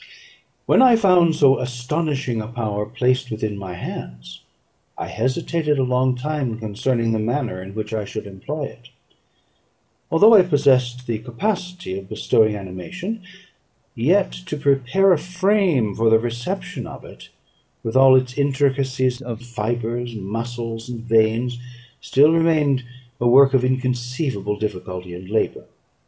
When I found so astonishing a power placed within my hands, I hesitated a long time concerning the manner in which I should employ it. Although I possessed the capacity of bestowing animation, yet to prepare a frame for the reception of it, with all its intricacies of fibres, muscles, and veins, still remained a work of inconceivable difficulty and labour.